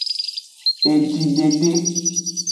Ejidede.